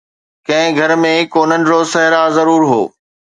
ڪنهن گهر ۾ ڪو ننڍو صحرا ضرور هو